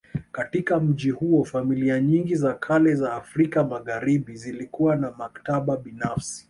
Katika mji huo familia nyingi za kale za Afrika Magharibi zilikuwa na maktaba binafsi